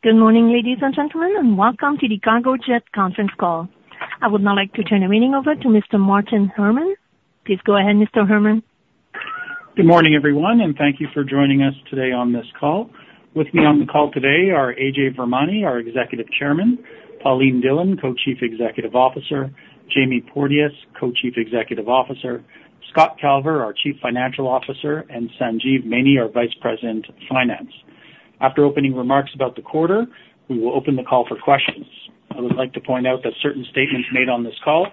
Good morning, ladies and gentlemen, and welcome to the Cargojet conference call. I would now like to turn the meeting over to Mr. Martin Hermann. Please go ahead, Mr. Hermann. Good morning, everyone, and thank you for joining us today on this call. With me on the call today are Ajay Virmani, our Executive Chairman, Pauline Dhillon, Co-Chief Executive Officer, Jamie Porteous, Co-Chief Executive Officer, Scott Calver, our Chief Financial Officer, and Sanjeev Maini, our Vice President of Finance. After opening remarks about the quarter, we will open the call for questions. I would like to point out that certain statements made on this call,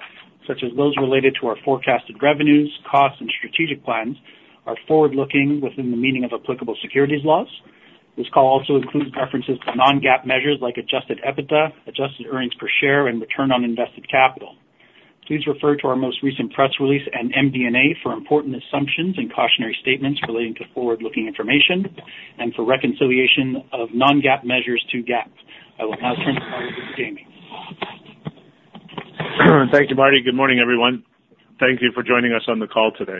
such as those related to our forecasted revenues, costs, and strategic plans, are forward-looking within the meaning of applicable securities laws. This call also includes references to non-GAAP measures like Adjusted EBITDA, adjusted earnings per share, and return on invested capital. Please refer to our most recent press release and MD&A for important assumptions and cautionary statements relating to forward-looking information and for reconciliation of non-GAAP measures to GAAP. I will now turn the call over to Jamie. Thank you, Marty. Good morning, everyone. Thank you for joining us on the call today.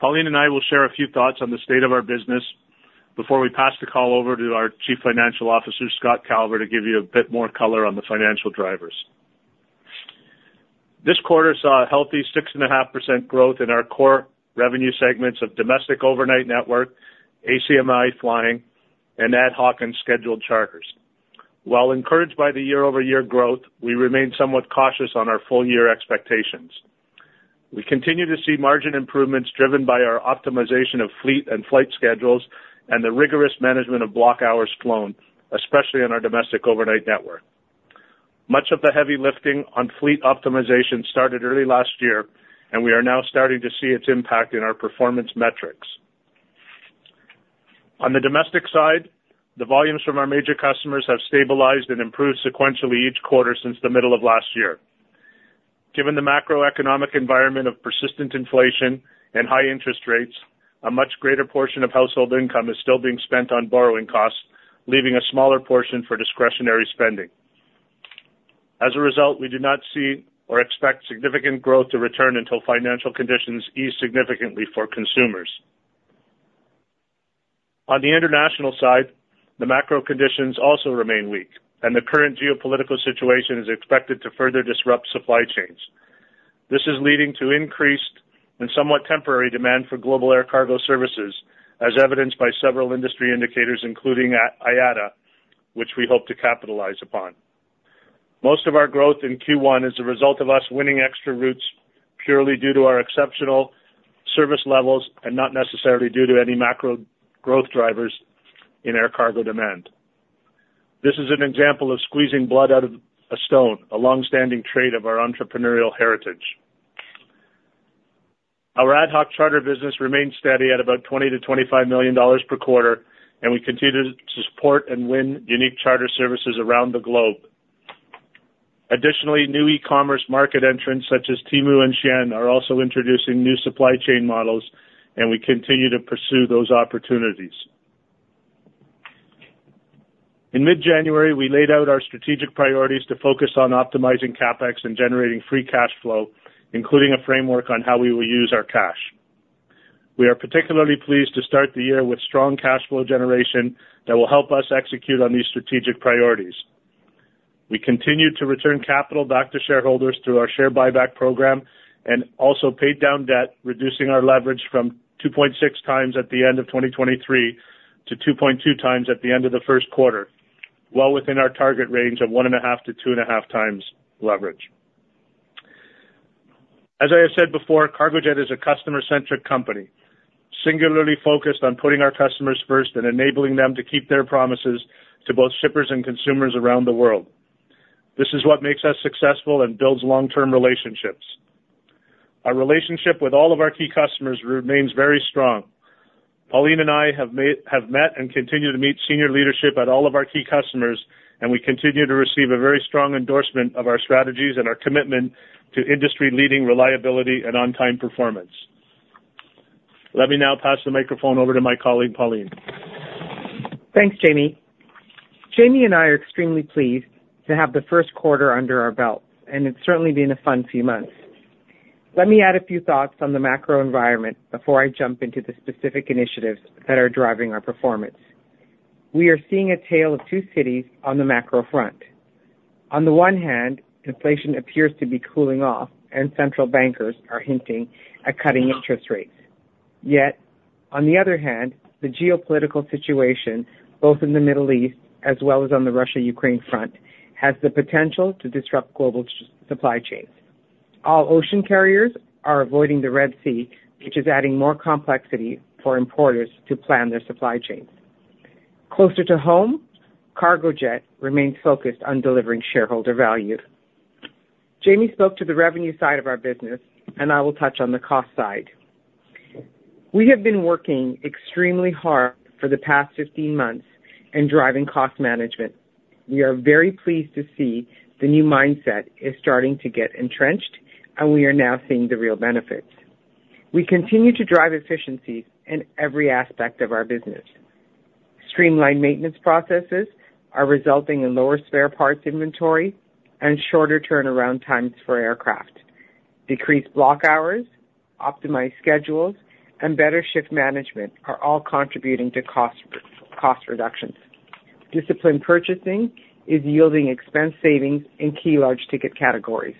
Pauline and I will share a few thoughts on the state of our business before we pass the call over to our Chief Financial Officer, Scott Calver, to give you a bit more color on the financial drivers. This quarter saw a healthy 6.5% growth in our core revenue segments of domestic overnight network, ACMI Flying and ad hoc and scheduled charters. While encouraged by the year-over-year growth, we remain somewhat cautious on our full year expectations. We continue to see margin improvements driven by our optimization of fleet and flight schedules and the rigorous management of block hours flown, especially on our domestic overnight network. Much of the heavy lifting on fleet optimization started early last year, and we are now starting to see its impact in our performance metrics. On the domestic side, the volumes from our major customers have stabilized and improved sequentially each quarter since the middle of last year. Given the macroeconomic environment of persistent inflation and high interest rates, a much greater portion of household income is still being spent on borrowing costs, leaving a smaller portion for discretionary spending. As a result, we do not see or expect significant growth to return until financial conditions ease significantly for consumers. On the international side, the macro conditions also remain weak, and the current geopolitical situation is expected to further disrupt supply chains. This is leading to increased and somewhat temporary demand for global air cargo services, as evidenced by several industry indicators, including IATA, which we hope to capitalize upon. Most of our growth in Q1 is a result of us winning extra routes purely due to our exceptional service levels and not necessarily due to any macro growth drivers in air cargo demand. This is an example of squeezing blood out of a stone, a long-standing trait of our entrepreneurial heritage. Our ad hoc charter business remains steady at about 20 million-25 million dollars per quarter, and we continue to support and win unique charter services around the globe. Additionally, new e-commerce market entrants such as Temu and SHEIN are also introducing new supply chain models, and we continue to pursue those opportunities. In mid-January, we laid out our strategic priorities to focus on optimizing CapEx and generating free cash flow, including a framework on how we will use our cash. We are particularly pleased to start the year with strong cash flow generation that will help us execute on these strategic priorities. We continue to return capital back to shareholders through our share buyback program and also paid down debt, reducing our leverage from 2.6x at the end of 2023 to 2.2x at the end of the first quarter, well within our target range of 1.5x-2.5x leverage. As I have said before, Cargojet is a customer-centric company, singularly focused on putting our customers first and enabling them to keep their promises to both shippers and consumers around the world. This is what makes us successful and builds long-term relationships. Our relationship with all of our key customers remains very strong. Pauline and I have met and continue to meet senior leadership at all of our key customers, and we continue to receive a very strong endorsement of our strategies and our commitment to industry-leading reliability and on-time performance. Let me now pass the microphone over to my colleague, Pauline. Thanks, Jamie. Jamie and I are extremely pleased to have the first quarter under our belt, and it's certainly been a fun few months. Let me add a few thoughts on the macro environment before I jump into the specific initiatives that are driving our performance. We are seeing a tale of two cities on the macro front. On the one hand, inflation appears to be cooling off and central bankers are hinting at cutting interest rates. Yet, on the other hand, the geopolitical situation, both in the Middle East as well as on the Russia-Ukraine front, has the potential to disrupt global supply chains. All ocean carriers are avoiding the Red Sea, which is adding more complexity for importers to plan their supply chains. Closer to home, Cargojet remains focused on delivering shareholder value. Jamie spoke to the revenue side of our business, and I will touch on the cost side. We have been working extremely hard for the past 15 months in driving cost management. We are very pleased to see the new mindset is starting to get entrenched, and we are now seeing the real benefits. We continue to drive efficiencies in every aspect of our business. Streamlined maintenance processes are resulting in lower spare parts inventory and shorter turnaround times for aircraft. Decreased block hours, optimized schedules, and better shift management are all contributing to cost, cost reductions. Disciplined purchasing is yielding expense savings in key large ticket categories.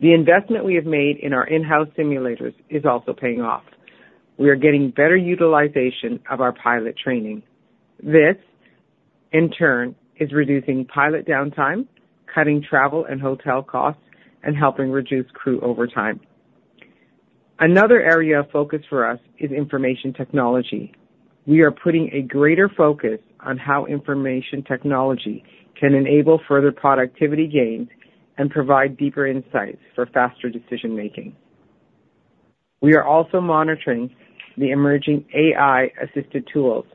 The investment we have made in our in-house simulators is also paying off. We are getting better utilization of our pilot training. This, in turn, is reducing pilot downtime, cutting travel and hotel costs, and helping reduce crew overtime. Another area of focus for us is information technology. We are putting a greater focus on how information technology can enable further productivity gains and provide deeper insights for faster decision-making. We are also monitoring the emerging AI-assisted tools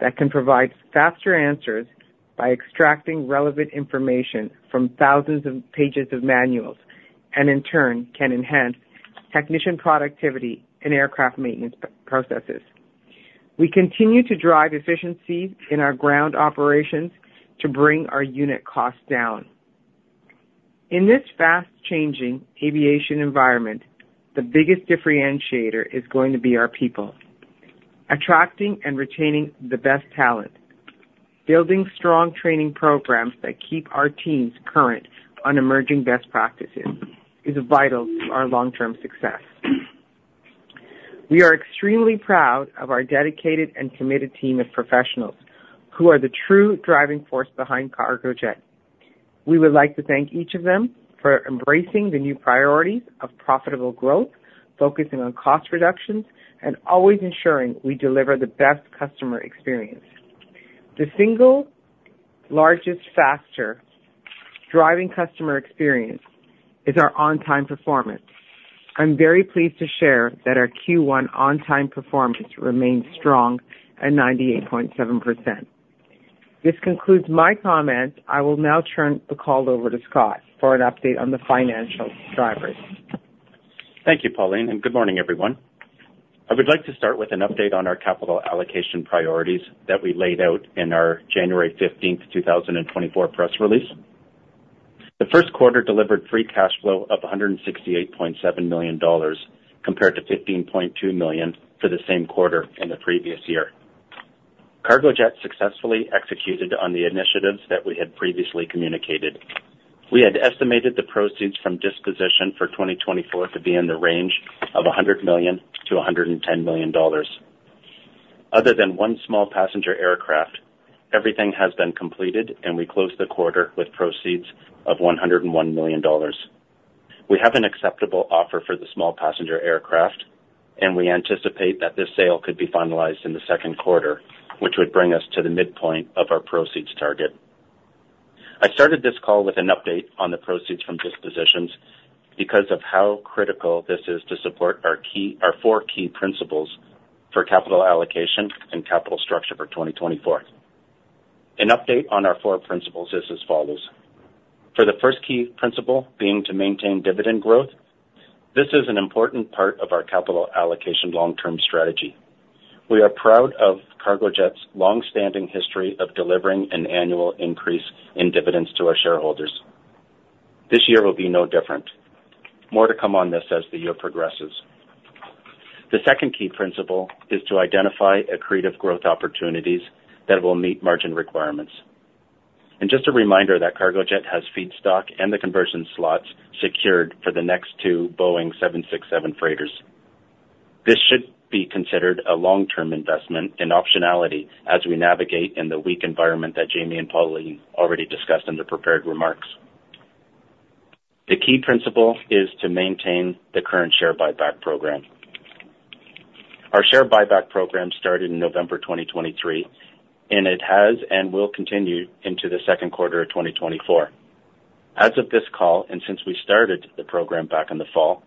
that can provide faster answers by extracting relevant information from thousands of pages of manuals, and in turn, can enhance technician productivity in aircraft maintenance processes. We continue to drive efficiencies in our ground operations to bring our unit costs down. In this fast-changing aviation environment, the biggest differentiator is going to be our people. Attracting and retaining the best talent, building strong training programs that keep our teams current on emerging best practices, is vital to our long-term success. We are extremely proud of our dedicated and committed team of professionals, who are the true driving force behind Cargojet. We would like to thank each of them for embracing the new priorities of profitable growth, focusing on cost reductions, and always ensuring we deliver the best customer experience. The single largest factor driving customer experience is our on-time performance. I'm very pleased to share that our Q1 on-time performance remains strong at 98.7%. This concludes my comments. I will now turn the call over to Scott for an update on the financial drivers. Thank you, Pauline, and good morning, everyone. I would like to start with an update on our capital allocation priorities that we laid out in our January 15th, 2024 press release. The first quarter delivered free cash flow of 168.7 million dollars, compared to 15.2 million for the same quarter in the previous year. Cargojet successfully executed on the initiatives that we had previously communicated. We had estimated the proceeds from disposition for 2024 to be in the range of 100 million-110 million dollars. Other than one small passenger aircraft, everything has been completed, and we closed the quarter with proceeds of 101 million dollars. We have an acceptable offer for the small passenger aircraft, and we anticipate that this sale could be finalized in the second quarter, which would bring us to the midpoint of our proceeds target. I started this call with an update on the proceeds from dispositions because of how critical this is to support our key, our four key principles for capital allocation and capital structure for 2024. An update on our four principles is as follows: For the first key principle, being to maintain dividend growth, this is an important part of our capital allocation long-term strategy. We are proud of Cargojet's long-standing history of delivering an annual increase in dividends to our shareholders. This year will be no different. More to come on this as the year progresses. The second key principle is to identify accretive growth opportunities that will meet margin requirements. Just a reminder that Cargojet has feedstock and the conversion slots secured for the next two Boeing 767 freighters. This should be considered a long-term investment in optionality as we navigate in the weak environment that Jamie and Pauline already discussed in the prepared remarks. The key principle is to maintain the current share buyback program. Our share buyback program started in November 2023, and it has and will continue into the second quarter of 2024. As of this call, and since we started the program back in the fall,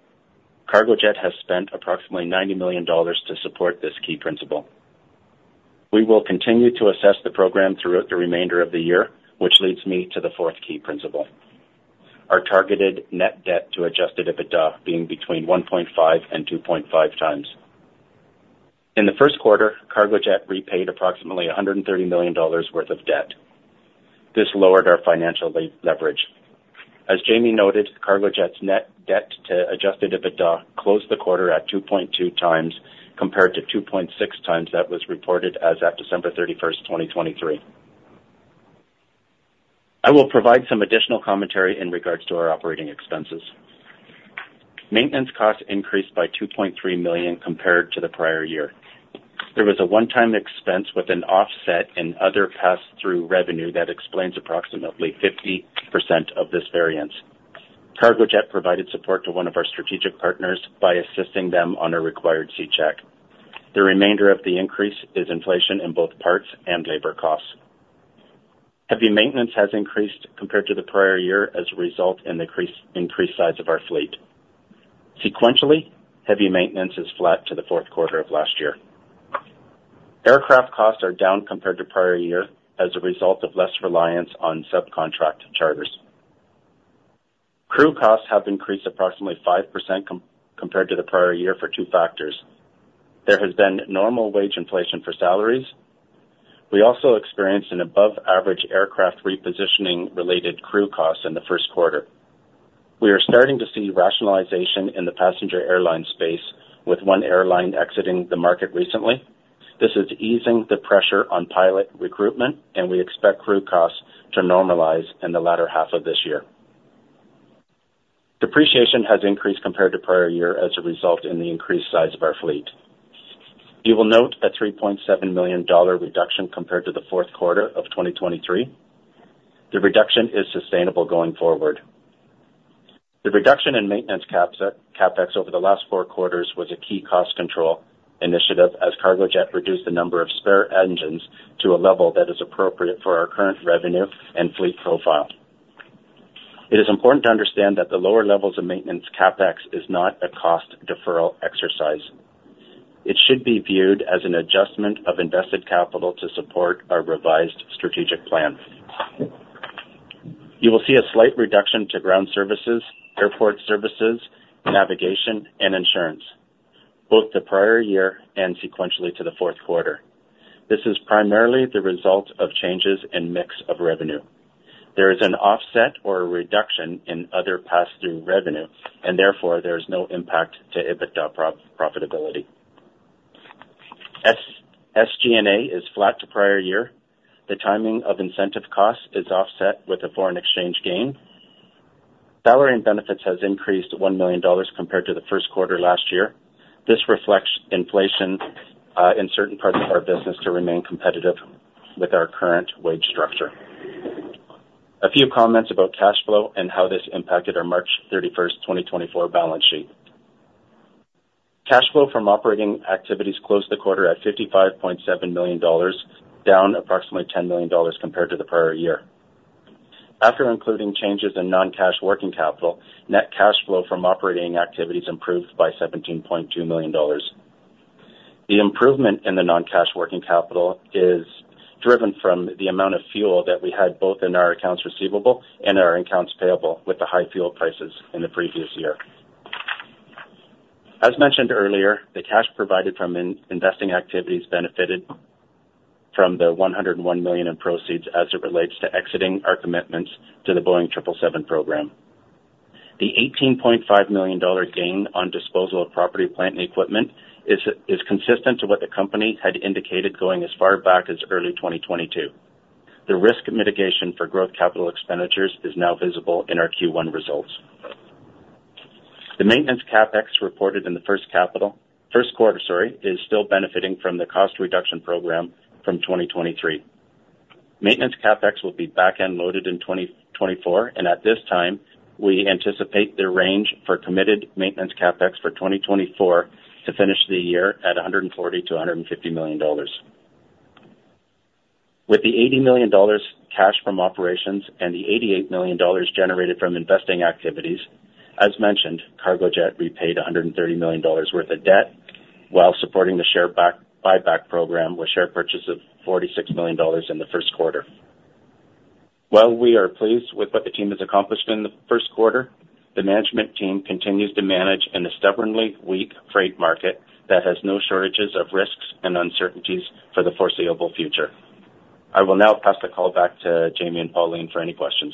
Cargojet has spent approximately 90 million dollars to support this key principle. We will continue to assess the program throughout the remainder of the year, which leads me to the fourth key principle, our targeted net debt to Adjusted EBITDA being between 1.5x and 2.5x. In the first quarter, Cargojet repaid approximately 130 million dollars worth of debt. This lowered our financial leverage. As Jamie noted, Cargojet's net debt to Adjusted EBITDA closed the quarter at 2.2x compared to 2.6x. That was reported as at December 31, 2023. I will provide some additional commentary in regards to our operating expenses. Maintenance costs increased by 2.3 million compared to the prior year. There was a one-time expense with an offset in other pass-through revenue that explains approximately 50% of this variance. Cargojet provided support to one of our strategic partners by assisting them on a required C check. The remainder of the increase is inflation in both parts and labor costs. Heavy maintenance has increased compared to the prior year as a result of the increased size of our fleet. Sequentially, heavy maintenance is flat to the fourth quarter of last year. Aircraft costs are down compared to prior year as a result of less reliance on subcontract charters. Crew costs have increased approximately 5% compared to the prior year for two factors. There has been normal wage inflation for salaries. We also experienced an above average aircraft repositioning related crew costs in the first quarter. We are starting to see rationalization in the passenger airline space, with one airline exiting the market recently. This is easing the pressure on pilot recruitment, and we expect crew costs to normalize in the latter half of this year. Depreciation has increased compared to prior year as a result of the increased size of our fleet. You will note a 3.7 million dollar reduction compared to the fourth quarter of 2023. The reduction is sustainable going forward. The reduction in maintenance CapEx over the last four quarters was a key cost control initiative, as Cargojet reduced the number of spare engines to a level that is appropriate for our current revenue and fleet profile. It is important to understand that the lower levels of maintenance CapEx is not a cost deferral exercise. It should be viewed as an adjustment of invested capital to support our revised strategic plan. You will see a slight reduction to ground services, airport services, navigation, and insurance, both the prior year and sequentially to the fourth quarter. This is primarily the result of changes in mix of revenue. There is an offset or a reduction in other pass-through revenue, and therefore there is no impact to EBITDA or profitability. SG&A is flat to prior year. The timing of incentive costs is offset with a foreign exchange gain. Salary and benefits has increased 1 million dollars compared to the first quarter last year. This reflects inflation in certain parts of our business to remain competitive with our current wage structure. A few comments about cash flow and how this impacted our March 31, 2024 balance sheet. Cash flow from operating activities closed the quarter at 55.7 million dollars, down approximately 10 million dollars compared to the prior year. After including changes in non-cash working capital, net cash flow from operating activities improved by 17.2 million dollars. The improvement in the non-cash working capital is driven from the amount of fuel that we had, both in our accounts receivable and our accounts payable, with the high fuel prices in the previous year. As mentioned earlier, the cash provided from investing activities benefited from the 101 million in proceeds as it relates to exiting our commitments to the Boeing 777 program. The 18.5 million dollar gain on disposal of property, plant, and equipment is consistent to what the company had indicated, going as far back as early 2022. The risk mitigation for growth capital expenditures is now visible in our Q1 results. The maintenance CapEx reported in the first quarter, sorry, is still benefiting from the cost reduction program from 2023. Maintenance CapEx will be back-end loaded in 2024, and at this time, we anticipate the range for committed maintenance CapEx for 2024 to finish the year at 140 million-150 million dollars. With the 80 million dollars cash from operations and the 88 million dollars generated from investing activities, as mentioned, Cargojet repaid 130 million dollars worth of debt while supporting the share buyback program, with share purchase of 46 million dollars in the first quarter. While we are pleased with what the team has accomplished in the first quarter, the management team continues to manage in a stubbornly weak freight market that has no shortages of risks and uncertainties for the foreseeable future. I will now pass the call back to Jamie and Pauline for any questions.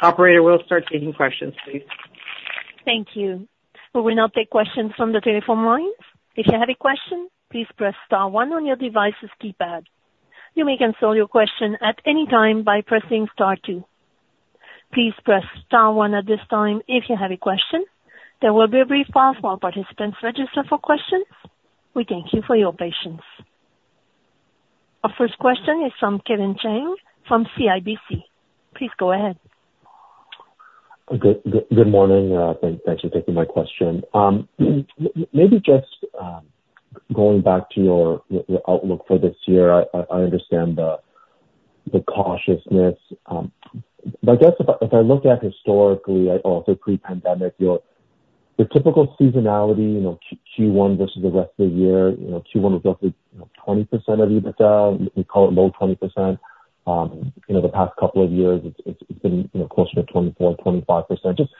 Operator, we'll start taking questions, please. Thank you. We will now take questions from the telephone lines. If you have a question, please press star one on your device's keypad. You may cancel your question at any time by pressing star two. Please press star one at this time if you have a question. There will be a brief pause while participants register for questions. We thank you for your patience. Our first question is from Kevin Chiang, from CIBC. Please go ahead. Good morning. Thanks for taking my question. Maybe just going back to your outlook for this year. I understand the cautiousness, but I guess if I look at historically, also pre-pandemic, the typical seasonality, you know, Q1 versus the rest of the year, you know, Q1 is roughly 20% of EBITDA. We call it low 20%. You know, the past couple of years, it's been closer to 24%-25%. Just,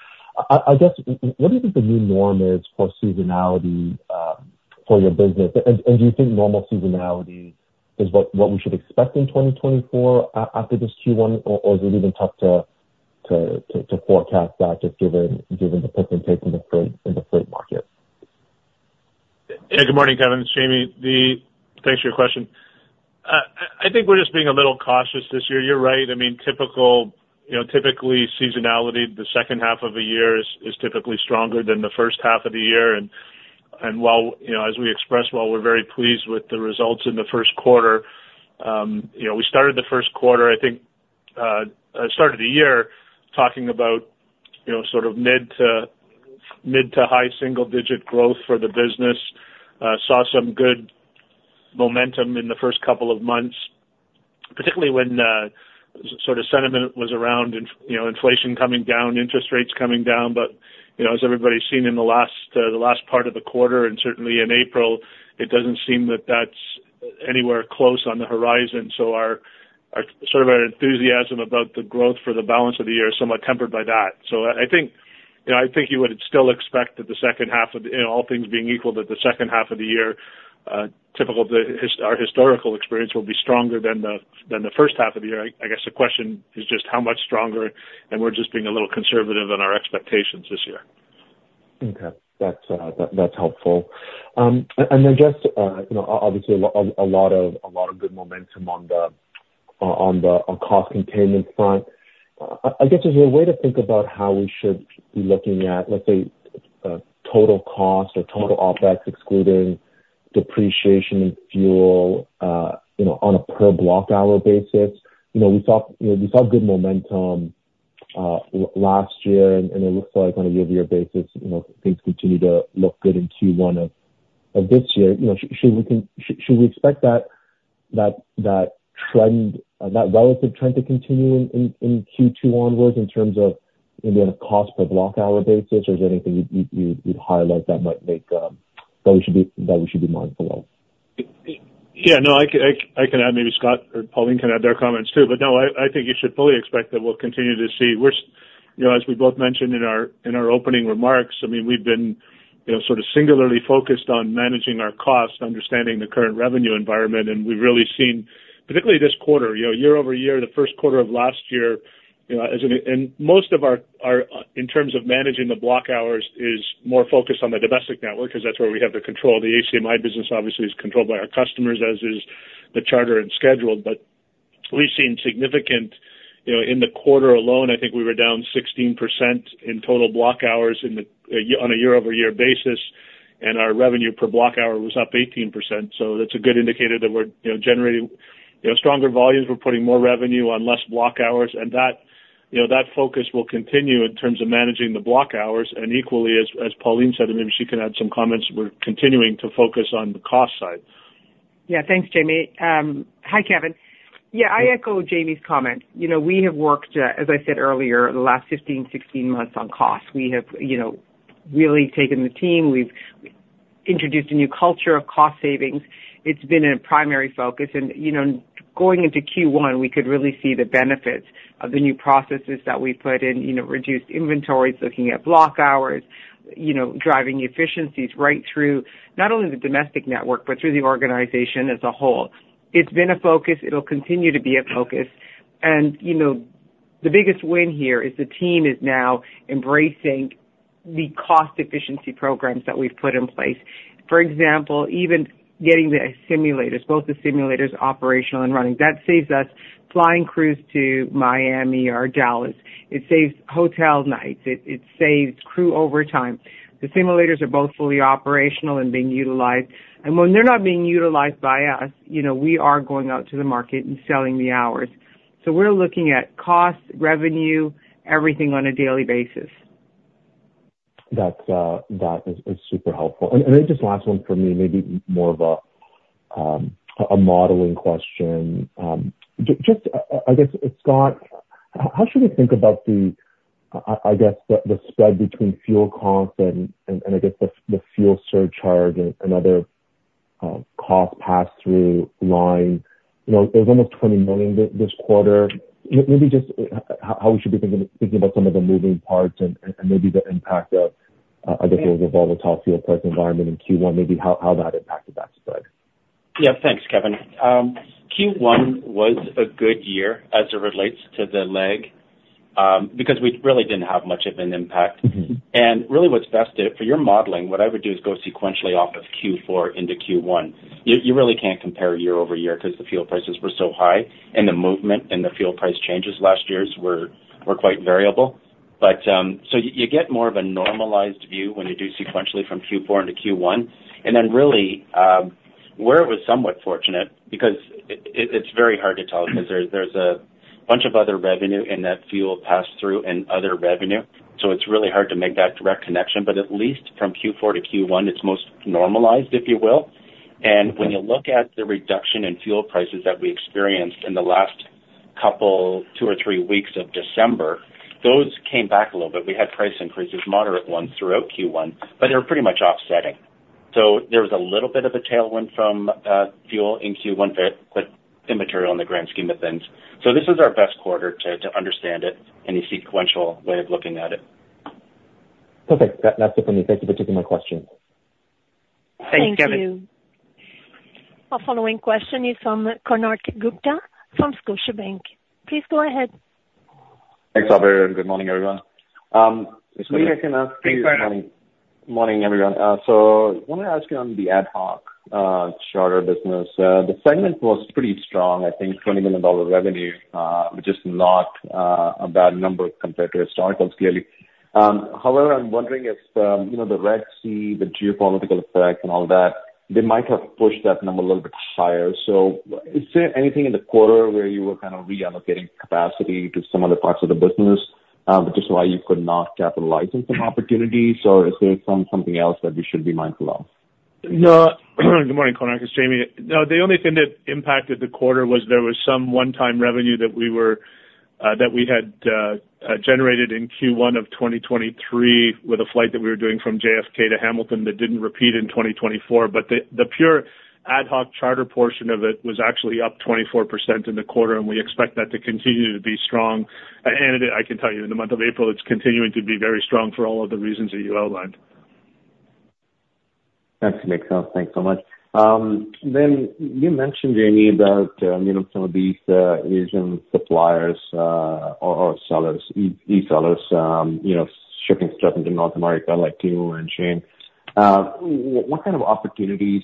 I guess, what do you think the new norm is for seasonality for your business? Do you think normal seasonality is what we should expect in 2024 after this Q1, or is it even tough to forecast that, just given the peaks and takes in the freight market? Yeah. Good morning, Kevin. It's Jamie. Thanks for your question. I think we're just being a little cautious this year. You're right. I mean, typically, you know, typically, seasonality, the second half of the year is typically stronger than the first half of the year. While, you know, as we expressed, while we're very pleased with the results in the first quarter, you know, we started the first quarter, I think, started the year talking about, you know, sort of mid- to high single digit growth for the business. Saw some good momentum in the first couple of months, particularly when the sort of sentiment was around inflation, you know, coming down, interest rates coming down. You know, as everybody's seen in the last part of the quarter, and certainly in April, it doesn't seem that that's anywhere close on the horizon. So our sort of enthusiasm about the growth for the balance of the year is somewhat tempered by that. So I think, you know, I think you would still expect that the second half of, you know, all things being equal, that the second half of the year, typical of our historical experience, will be stronger than the first half of the year. I guess the question is just how much stronger, and we're just being a little conservative in our expectations this year. Okay. That's that, that's helpful. And then just, you know, obviously, a lot of good momentum on the cost containment front. I guess, is there a way to think about how we should be looking at, let's say, total cost or total OpEx, excluding depreciation and fuel, you know, on a per block hour basis? You know, we saw good momentum last year, and it looks like on a year-over-year basis, you know, things continue to look good in Q1 of this year. You know, should we expect that trend, that relative trend to continue in Q2 onwards, in terms of maybe on a cost per block hour basis? Or is there anything you'd highlight that might make that we should be mindful of? Yeah, no, I can add, maybe Scott or Pauline can add their comments, too. But no, I think you should fully expect that we'll continue to see... We're, you know, as we both mentioned in our opening remarks, I mean, we've been, you know, sort of singularly focused on managing our cost, understanding the current revenue environment, and we've really seen, particularly this quarter, you know, year over year, the first quarter of last year, you know, and most of our, in terms of managing the block hours, is more focused on the domestic network, 'cause that's where we have the control. The ACMI business obviously is controlled by our customers, as is the charter and schedule. But we've seen significant, you know, in the quarter alone, I think we were down 16% in total block hours in the, on a year-over-year basis, and our revenue per block hour was up 18%. So that's a good indicator that we're, you know, generating, you know, stronger volumes. We're putting more revenue on less block hours, and that, you know, that focus will continue in terms of managing the block hours. And equally, as, as Pauline said, and maybe she can add some comments, we're continuing to focus on the cost side. Yeah, thanks, Jamie. Hi, Kevin. Yeah, I echo Jamie's comment. You know, we have worked, as I said earlier, the last 15, 16 months on cost. We have, you know, really taken the team. We've introduced a new culture of cost savings. It's been a primary focus, and, you know, going into Q1, we could really see the benefits of the new processes that we put in. You know, reduced inventories, looking at block hours, you know, driving efficiencies right through, not only the domestic network, but through the organization as a whole. It's been a focus, it'll continue to be a focus, and, you know, the biggest win here is the team is now embracing the cost efficiency programs that we've put in place. For example, even getting the simulators, both the simulators operational and running, that saves us flying crews to Miami or Dallas. It saves hotel nights. It saves crew overtime. The simulators are both fully operational and being utilized, and when they're not being utilized by us, you know, we are going out to the market and selling the hours. So we're looking at cost, revenue, everything on a daily basis. That's super helpful. And then just last one for me, maybe more of a modeling question. Just, I guess, Scott, how should we think about the, I guess the spread between fuel costs and, I guess the fuel surcharge and other cost pass-through lines? You know, it was almost 20 million this quarter. Maybe just how we should be thinking about some of the moving parts and maybe the impact of, I guess, the volatile fuel price environment in Q1, maybe how that impacted that spread. Yeah. Thanks, Kevin. Q1 was a good year as it relates to the lag, because we really didn't have much of an impact. Really, what's best for your modeling, what I would do is go sequentially off of Q4 into Q1. You really can't compare year over year, 'cause the fuel prices were so high, and the movement and the fuel price changes last year were quite variable. But so you get more of a normalized view when you do sequentially from Q4 into Q1. And then really, where it was somewhat fortunate, because it's very hard to tell 'cause there's, there's a bunch of other revenue in that fuel pass-through and other revenue, so it's really hard to make that direct connection, but at least from Q4 to Q1, it's most normalized, if you will. When you look at the reduction in fuel prices that we experienced in the last couple, two or three weeks of December, those came back a little bit. We had price increases, moderate ones, throughout Q1, but they were pretty much offsetting. So there was a little bit of a tailwind from fuel in Q1, but immaterial in the grand scheme of things. So this is our best quarter to understand it in a sequential way of looking at it. Perfect. That, that's it for me. Thank you for taking my question. Thanks, Kevin. Thank you. Our following question is from Konark Gupta, from Scotiabank. Please go ahead. Thanks, operator, and good morning, everyone. Maybe I can ask you. Hey, Konark. Morning, everyone. So I wanna ask you on the ad hoc charter business. The segment was pretty strong, I think 20 million dollar revenue, which is not a bad number compared to historicals, clearly. However, I'm wondering if, you know, the Red Sea, the geopolitical effect and all that, they might have pushed that number a little bit higher. So is there anything in the quarter where you were kind of reallocating capacity to some other parts of the business, which is why you could not capitalize on some opportunities, or is there something else that we should be mindful of? No. Good morning, Konark, it's Jamie. No, the only thing that impacted the quarter was there was some one-time revenue that we were that we had generated in Q1 of 2023 with a flight that we were doing from JFK to Hamilton that didn't repeat in 2024. But the pure ad hoc charter portion of it was actually up 24% in the quarter, and we expect that to continue to be strong. And I can tell you, in the month of April, it's continuing to be very strong for all of the reasons that you outlined. Thanks, makes sense. Thanks so much. Then you mentioned, Jamie, about, you know, some of these Asian suppliers, or sellers, e-sellers, you know, shipping stuff into North America, like Temu and SHEIN. What kind of opportunities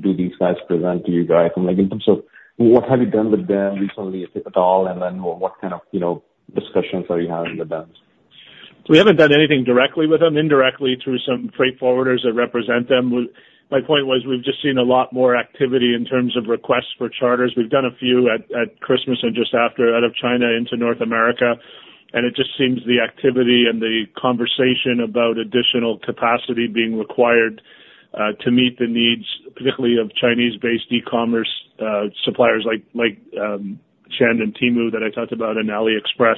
do these guys present to you guys? And like, in terms of what have you done with them recently, if at all, and then what kind of, you know, discussions are you having with them? We haven't done anything directly with them, indirectly through some freight forwarders that represent them. My point was, we've just seen a lot more activity in terms of requests for charters. We've done a few at Christmas and just after, out of China into North America. And it just seems the activity and the conversation about additional capacity being required to meet the needs, particularly of Chinese-based e-commerce suppliers like, like, SHEIN and Temu that I talked about, and AliExpress,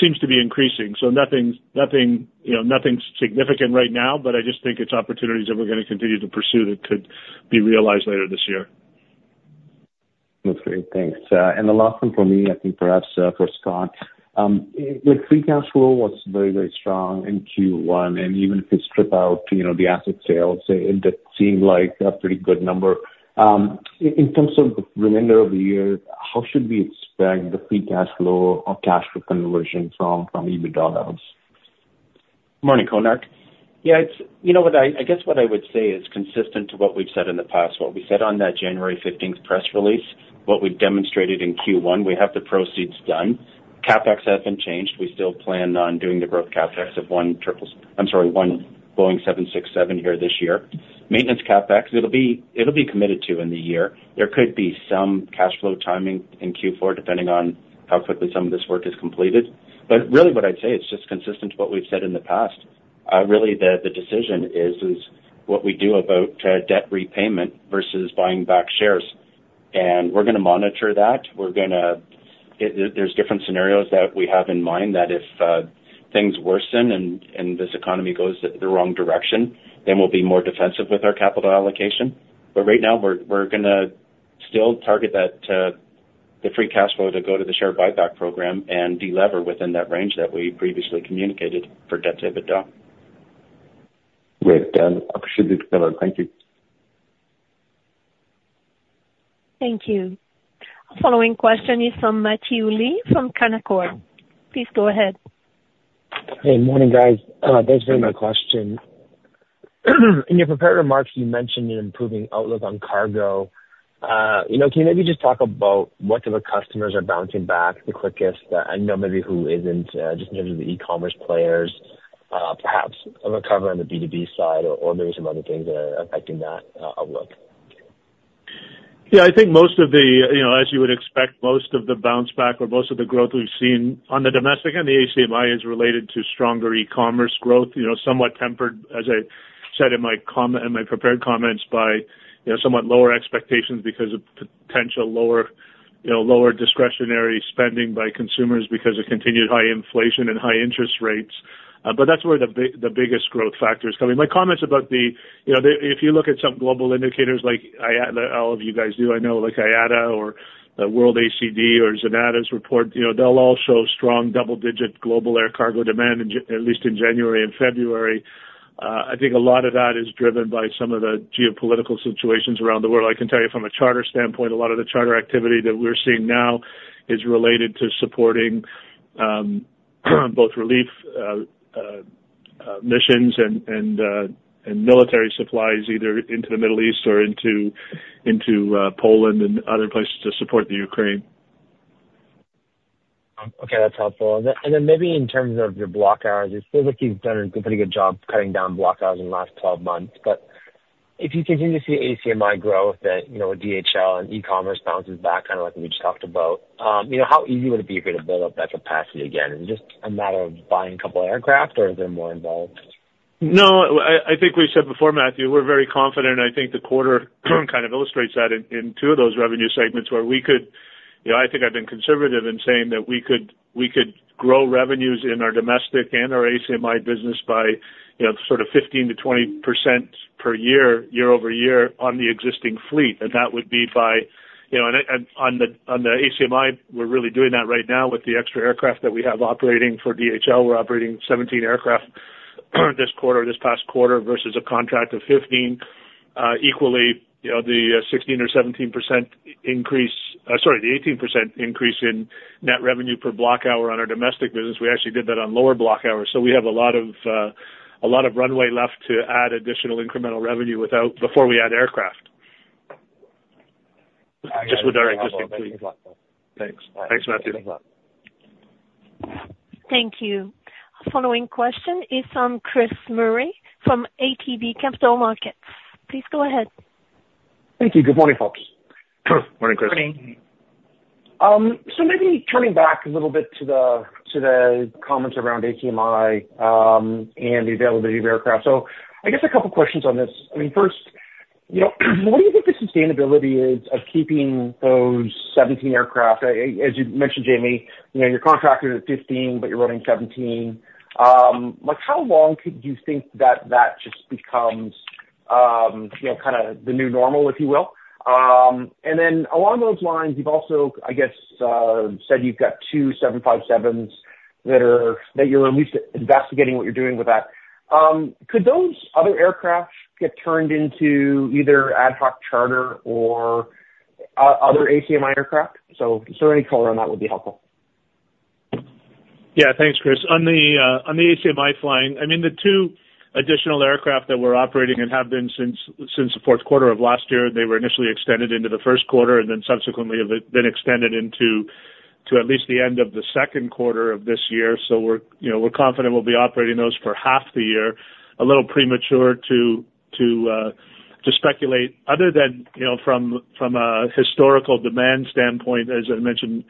seems to be increasing. So nothing, nothing, you know, nothing significant right now, but I just think it's opportunities that we're gonna continue to pursue that could be realized later this year. That's great. Thanks. The last one for me, I think perhaps, for Scott. The free cash flow was very, very strong in Q1, and even if you strip out, you know, the asset sales, it does seem like a pretty good number. In terms of the remainder of the year, how should we expect the free cash flow or cash flow conversion from EBITDA to us? Morning, Konark. Yeah, it's. You know what? I guess what I would say is consistent to what we've said in the past, what we said on that January 15th press release, what we've demonstrated in Q1, we have the proceeds done. CapEx hasn't changed. We still plan on doing the growth CapEx of one Boeing 767 here this year. Maintenance CapEx, it'll be committed to in the year. There could be some cash flow timing in Q4, depending on how quickly some of this work is completed. But really what I'd say, it's just consistent to what we've said in the past. Really, the decision is what we do about debt repayment versus buying back shares. And we're gonna monitor that. We're gonna. There's different scenarios that we have in mind that if things worsen and this economy goes the wrong direction, then we'll be more defensive with our capital allocation. But right now, we're gonna still target that the free cash flow to go to the share buyback program and delever within that range that we previously communicated for debt to EBITDA. Great, guys. Appreciate it. Thank you. Thank you. Following question is from Matthew Lee from Canaccord. Please go ahead. Hey, morning, guys. Thanks for taking my question. In your prepared remarks, you mentioned an improving outlook on cargo. You know, can you maybe just talk about what type of customers are bouncing back the quickest? I know maybe who isn't, just in terms of the e-commerce players, perhaps a recover on the B2B side or, or maybe some other things that are affecting that outlook. Yeah, I think most of the, you know, as you would expect, most of the bounce back or most of the growth we've seen on the domestic and the ACMI is related to stronger e-commerce growth. You know, somewhat tempered, as I said in my comment, in my prepared comments, by, you know, somewhat lower expectations because of potential lower, you know, lower discretionary spending by consumers because of continued high inflation and high interest rates. But that's where the biggest growth factor is coming. My comments about the... You know, the, if you look at some global indicators, like IATA—all of you guys do I know, like IATA or WorldACD or Xeneta report, you know, they'll all show strong double-digit global air cargo demand in J—at least in January and February. I think a lot of that is driven by some of the geopolitical situations around the world. I can tell you from a charter standpoint, a lot of the charter activity that we're seeing now is related to supporting both relief and military supplies, either into the Middle East or into Poland and other places to support the Ukraine. Okay, that's helpful. And then maybe in terms of your block hours, it seems like you've done a pretty good job cutting down block hours in the last 12 months. But if you continue to see ACMI growth, that, you know, DHL and e-commerce bounces back, kind of like we just talked about, you know, how easy would it be for you to build up that capacity again? And just a matter of buying a couple aircraft, or is there more involved? No, I think we said before, Matthew, we're very confident, and I think the quarter kind of illustrates that in two of those revenue segments where we could... You know, I think I've been conservative in saying that we could grow revenues in our domestic and our ACMI business by, you know, sort of 15%-20% per year, year-over-year, on the existing fleet. And that would be by, you know, on the ACMI, we're really doing that right now with the extra aircraft that we have operating for DHL. We're operating 17 aircraft this quarter, this past quarter, versus a contract of 15. Equally, you know, the 16% or 17% increase, sorry, the 18% increase in net revenue per block hour on our domestic business, we actually did that on lower block hours. We have a lot of runway left to add additional incremental revenue without before we add aircraft. Just with our existing fleet. Thanks. Thanks, Matthew. Thank you. Following question is from Chris Murray, from ATB Capital Markets. Please go ahead. Thank you. Good morning, folks. Morning, Chris. Morning. So maybe turning back a little bit to the comments around ACMI, and the availability of aircraft. So I guess a couple questions on this. I mean, first you know, what do you think the sustainability is of keeping those 17 aircraft? As you mentioned, Jamie, you know, you're contracted at 15, but you're running 17. Like, how long could you think that that just becomes, you know, kind of the new normal, if you will? And then along those lines, you've also, I guess, said you've got two 757s that you're at least investigating what you're doing with that. Could those other aircraft get turned into either ad hoc charter or other ACMI aircraft? So, any color on that would be helpful. Yeah, thanks, Chris. On the ACMI flying, I mean, the two additional aircraft that we're operating and have been since the fourth quarter of last year, they were initially extended into the first quarter and then subsequently have been extended into at least the end of the second quarter of this year. So we're, you know, we're confident we'll be operating those for half the year. A little premature to speculate other than, you know, from a historical demand standpoint, as I mentioned,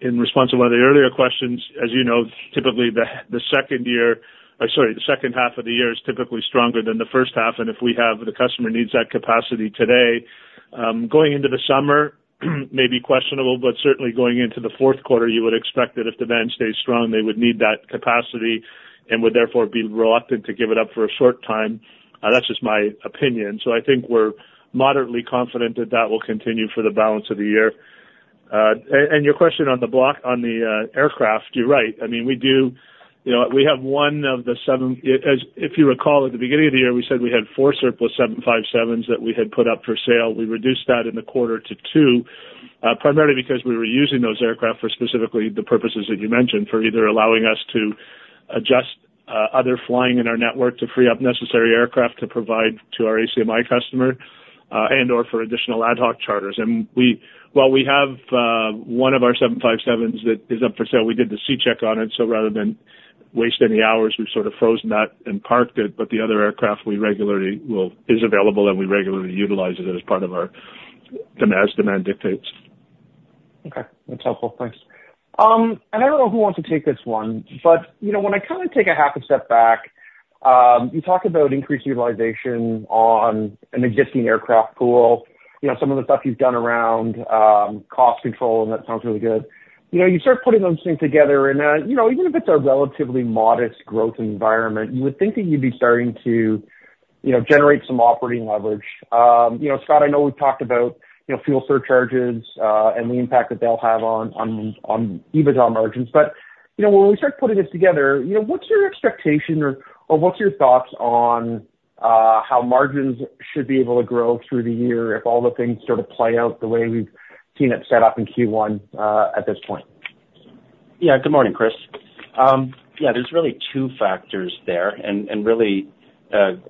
in response to one of the earlier questions. As you know, typically the second year, or sorry, the second half of the year is typically stronger than the first half, and if we have. The customer needs that capacity today, going into the summer may be questionable, but certainly going into the fourth quarter, you would expect that if demand stays strong, they would need that capacity and would therefore be reluctant to give it up for a short time. That's just my opinion. So I think we're moderately confident that that will continue for the balance of the year. And your question on the aircraft, you're right. I mean, we do, you know, we have one of the 757s if you recall, at the beginning of the year, we said we had four surplus 757s that we had put up for sale. We reduced that in the quarter to two, primarily because we were using those aircraft for specifically the purposes that you mentioned, for either allowing us to adjust other flying in our network to free up necessary aircraft to provide to our ACMI customer, and/or for additional ad hoc charters. While we have one of our 757s that is up for sale, we did the C check on it, so rather than waste any hours, we've sort of frozen that and parked it. The other aircraft we regularly, well, is available, and we regularly utilize it as part of our dedicated as demand dictates. Okay. That's helpful. Thanks. And I don't know who wants to take this one, but you know, when I kind of take a half a step back, you talk about increased utilization on an existing aircraft pool, you know, some of the stuff you've done around cost control, and that sounds really good. You know, you start putting those things together, and you know, even if it's a relatively modest growth environment, you would think that you'd be starting to you know, generate some operating leverage. You know, Scott, I know we've talked about, you know, fuel surcharges and the impact that they'll have on EBITDA margins, but, you know, when we start putting this together, you know, what's your expectation or what's your thoughts on how margins should be able to grow through the year if all the things sort of play out the way we've seen it set up in Q1 at this point? Yeah. Good morning, Chris. Yeah, there's really two factors there, and really, to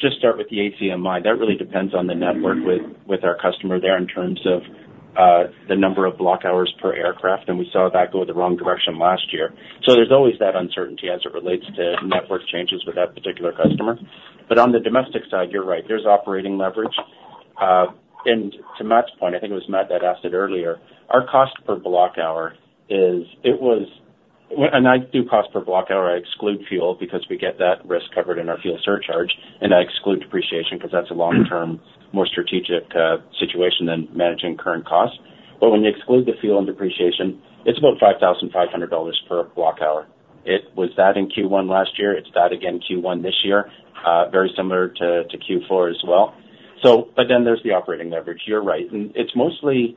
just start with the ACMI, that really depends on the network with our customer there in terms of the number of block hours per aircraft, and we saw that go the wrong direction last year. So there's always that uncertainty as it relates to network changes with that particular customer. But on the domestic side, you're right, there's operating leverage. And to Matt's point, I think it was Matt that asked it earlier, our cost per block hour is. When I do cost per block hour, I exclude fuel because we get that risk covered in our fuel surcharge, and I exclude depreciation because that's a long-term, more strategic situation than managing current costs. But when you exclude the fuel and depreciation, it's about 5,500 dollars per block hour. It was that in Q1 last year. It's that again, Q1 this year, very similar to Q4 as well. But then there's the operating leverage. You're right, and it's mostly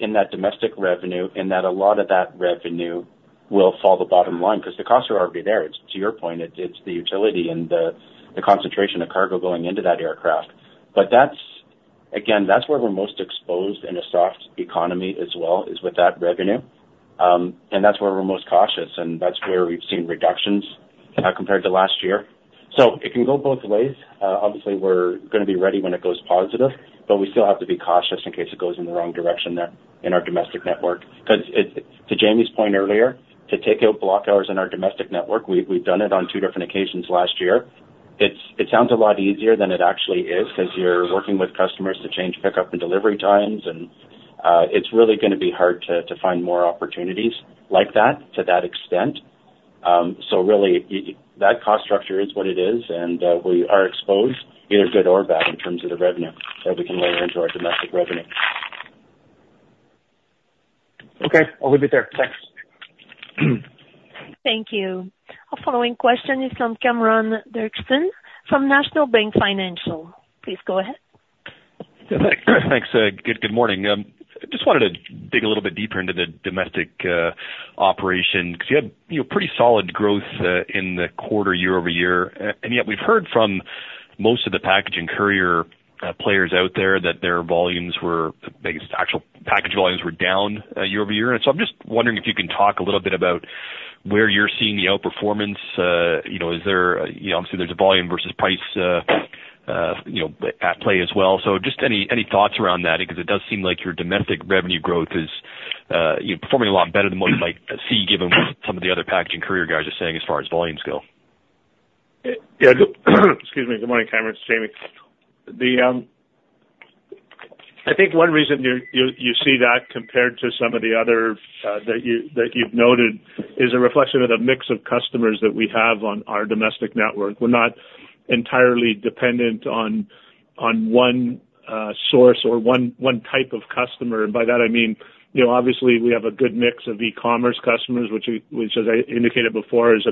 in that domestic revenue, in that a lot of that revenue will fall to the bottom line, because the costs are already there. It's, to your point, the utility and the concentration of cargo going into that aircraft. But that's. Again, that's where we're most exposed in a soft economy as well, is with that revenue. And that's where we're most cautious, and that's where we've seen reductions compared to last year. So it can go both ways. Obviously we're gonna be ready when it goes positive, but we still have to be cautious in case it goes in the wrong direction there in our domestic network. Because it, to Jamie's point earlier, to take out block hours in our domestic network, we've done it on two different occasions last year. It sounds a lot easier than it actually is, because you're working with customers to change pickup and delivery times, and it's really gonna be hard to find more opportunities like that to that extent. So really, that cost structure is what it is, and we are exposed, either good or bad, in terms of the revenue that we can layer into our domestic revenue. Okay, I'll leave it there. Thanks. Thank you. Our following question is from Cameron Dirksen from National Bank Financial. Please go ahead. Yeah, thanks, good morning. I just wanted to dig a little bit deeper into the domestic operation, because you had, you know, pretty solid growth in the quarter, year-over-year. And yet we've heard from most of the packaging courier players out there that their volumes were, I guess, actual package volumes were down year-over-year. And so I'm just wondering if you can talk a little bit about where you're seeing the outperformance. You know, is there, you know, obviously there's a volume versus price, you know, at play as well. So just any thoughts around that? Because it does seem like your domestic revenue growth is. You're performing a lot better than what you might see, given what some of the other packaging courier guys are saying as far as volumes go. Yeah, excuse me. Good morning, Cameron, it's Jamie. I think one reason you see that compared to some of the other that you've noted is a reflection of the mix of customers that we have on our domestic network. We're not entirely dependent on one source or one type of customer. By that I mean, you know, obviously we have a good mix of e-commerce customers, which, as I indicated before, you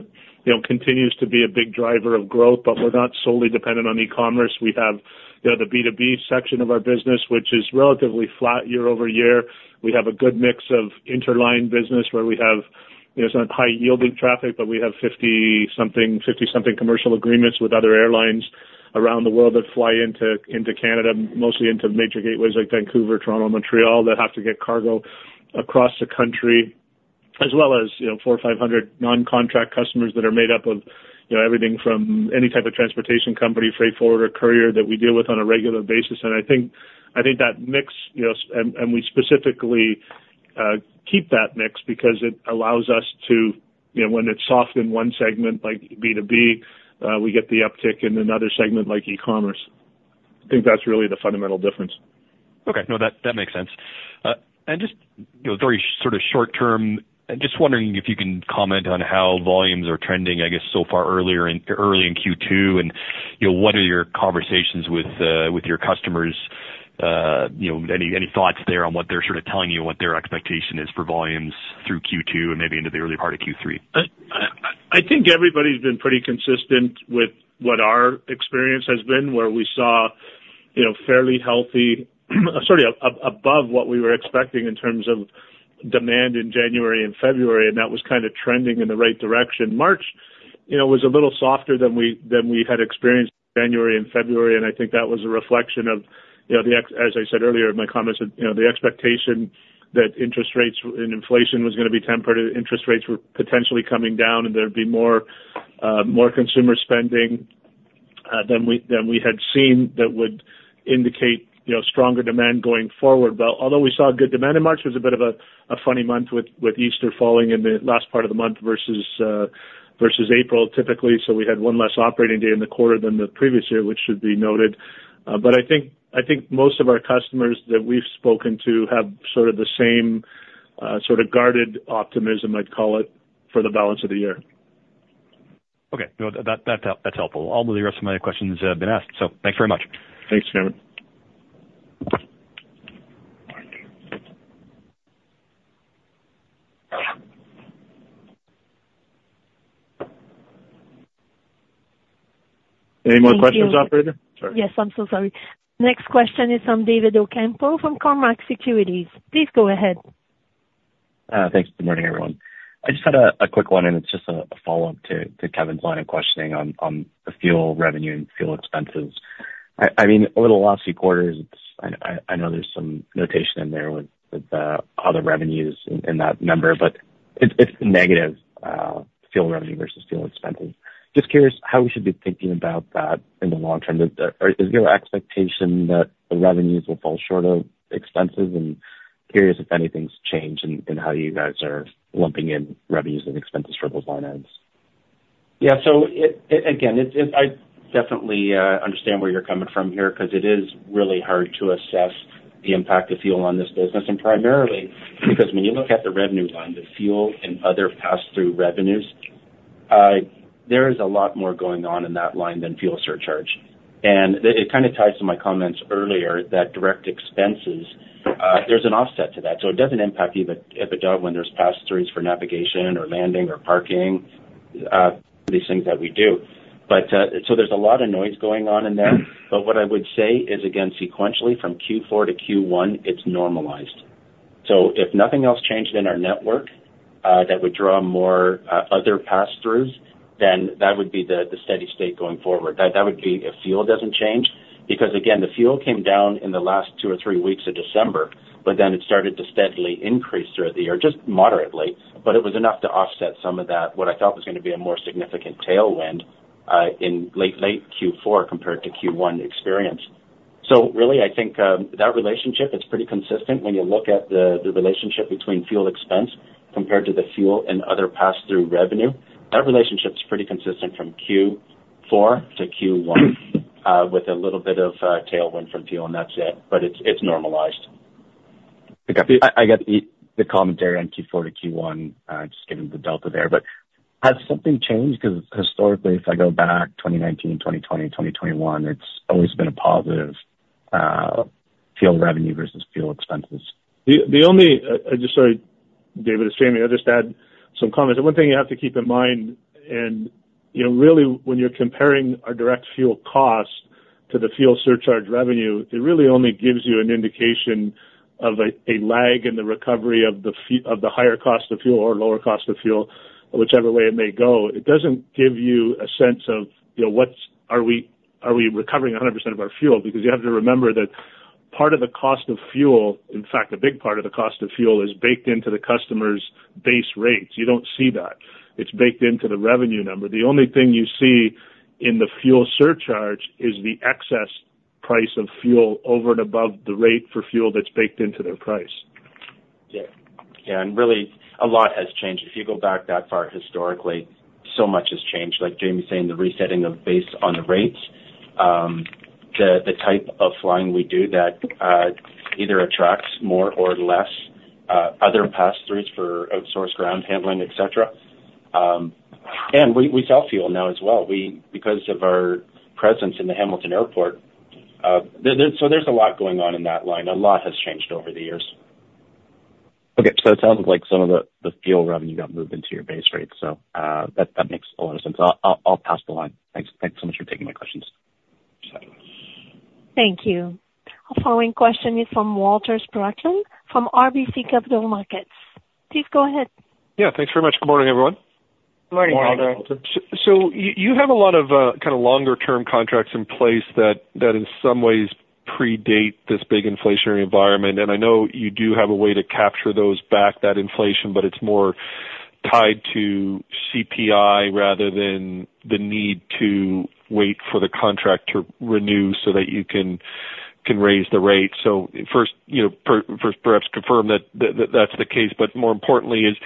know, continues to be a big driver of growth. But we're not solely dependent on e-commerce. We have, you know, the B2B section of our business, which is relatively flat year-over-year. We have a good mix of interline business where we have, you know, it's not high-yielding traffic, but we have 50-something, 50-something commercial agreements with other airlines around the world that fly into, into Canada, mostly into major gateways like Vancouver, Toronto, Montreal, that have to get cargo across the country. As well as, you know, 400 or 500 non-contract customers that are made up of, you know, everything from any type of transportation company, freight forwarder, courier that we deal with on a regular basis. And I think, I think that mix, you know, and we specifically keep that mix because it allows us to, you know, when it's soft in one segment like B2B, we get the uptick in another segment like e-commerce. I think that's really the fundamental difference. Okay. No, that, that makes sense. And just, you know, very sort of short term, just wondering if you can comment on how volumes are trending, I guess, so far early in Q2, and, you know, what are your conversations with with your customers? You know, any thoughts there on what they're sort of telling you, what their expectation is for volumes through Q2 and maybe into the early part of Q3? I think everybody's been pretty consistent with what our experience has been, where we saw, you know, fairly healthy, above what we were expecting in terms of demand in January and February, and that was kind of trending in the right direction. March, you know, was a little softer than we had experienced January and February, and I think that was a reflection of, you know, as I said earlier in my comments, you know, the expectation that interest rates and inflation was gonna be tempered, interest rates were potentially coming down, and there'd be more, more consumer spending than we had seen that would indicate, you know, stronger demand going forward. But although we saw good demand in March, it was a bit of a funny month with Easter falling in the last part of the month versus April, typically. So we had one less operating day in the quarter than the previous year, which should be noted. But I think, I think most of our customers that we've spoken to have sort of the same sort of guarded optimism, I'd call it, for the balance of the year. Okay. No, that's helpful. All the rest of my questions have been asked, so thanks very much. Thanks, Kevin. Any more questions, operator? Sorry. Yes, I'm so sorry. Next question is from David Ocampo from Cormark Securities. Please go ahead. Thanks. Good morning, everyone. I just had a quick one, and it's just a follow-up to Kevin's line of questioning on the fuel revenue and fuel expenses. I mean, over the last few quarters, it's... I know there's some notation in there with other revenues in that number, but it's negative fuel revenue versus fuel expenses. Just curious how we should be thinking about that in the long term. Is your expectation that the revenues will fall short of expenses? And curious if anything's changed in how you guys are lumping in revenues and expenses for those line items. Yeah. So it again, it's... I definitely understand where you're coming from here, 'cause it is really hard to assess the impact of fuel on this business, and primarily because when you look at the revenue line, the fuel and other pass-through revenues, there is a lot more going on in that line than fuel surcharge. And it kind of ties to my comments earlier that direct expenses, there's an offset to that, so it doesn't impact EBITDA when there's pass-throughs for navigation or landing or parking, these things that we do. But, so there's a lot of noise going on in there. But what I would say is, again, sequentially, from Q4 to Q1, it's normalized. So if nothing else changed in our network, that would draw more other pass-throughs, then that would be the steady state going forward. That would be if fuel doesn't change. Because, again, the fuel came down in the last two or three weeks of December, but then it started to steadily increase throughout the year, just moderately, but it was enough to offset some of that, what I thought was gonna be a more significant tailwind in late Q4 compared to Q1 experience. So really, I think that relationship is pretty consistent when you look at the relationship between fuel expense compared to the fuel and other pass-through revenue. That relationship's pretty consistent from Q4 to Q1 with a little bit of tailwind from fuel, and that's it, but it's normalized. I got the commentary on Q4 to Q1, just given the delta there. But has something changed? Because historically, if I go back 2019, 2020, 2021, it's always been a positive fuel revenue versus fuel expenses. Sorry, David, it's Jamie. I'll just add some comments. The one thing you have to keep in mind, you know, really, when you're comparing our direct fuel cost to the fuel surcharge revenue, it really only gives you an indication of a lag in the recovery of the higher cost of fuel or lower cost of fuel, whichever way it may go. It doesn't give you a sense of, you know, what's, are we, are we recovering 100% of our fuel? Because you have to remember that part of the cost of fuel, in fact, a big part of the cost of fuel, is baked into the customer's base rates. You don't see that. It's baked into the revenue number. The only thing you see in the fuel surcharge is the excess price of fuel over and above the rate for fuel that's baked into their price. Yeah, yeah, and really, a lot has changed. If you go back that far historically, so much has changed. Like Jamie was saying, the resetting of base on the rates, the type of flying we do that either attracts more or less other pass-throughs for outsourced ground handling, et cetera. And we sell fuel now as well. We, because of our presence in the Hamilton Airport, so there's a lot going on in that line. A lot has changed over the years. Okay. So it sounds like some of the fuel revenue got moved into your base rate. So, that makes a lot of sense. I'll pass the line. Thanks. Thanks so much for taking my questions. Thank you. Our following question is from Walter Spracklin, from RBC Capital Markets. Please go ahead. Yeah, thanks very much. Good morning, everyone. Good morning, Walter. So you have a lot of kind of longer term contracts in place that in some ways predate this big inflationary environment, and I know you do have a way to capture those back, that inflation, but it's more tied to CPI rather than the need to wait for the contract to renew so that you can raise the rate. So first, perhaps confirm that that's the case, but more importantly is,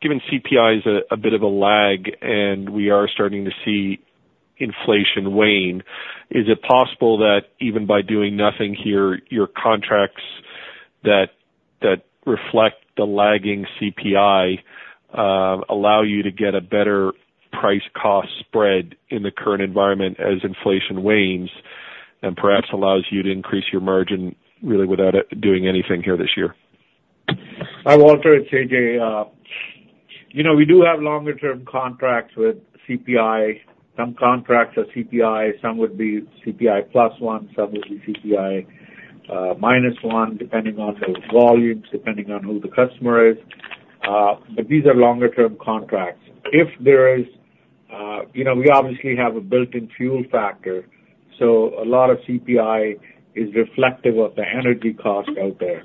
given CPI is a bit of a lag and we are starting to see inflation wane, is it possible that even by doing nothing here, your contracts that reflect the lagging CPI allow you to get a better price cost spread in the current environment as inflation wanes, and perhaps allows you to increase your margin really without it doing anything here this year? Hi, Walter, it's Ajay. You know, we do have longer term contracts with CPI. Some contracts are CPI, some would be CPI plus one, some would be CPI minus one, depending on the volumes, depending on who the customer is. But these are longer term contracts. If there is... You know, we obviously have a built-in fuel factor, so a lot of CPI is reflective of the energy cost out there.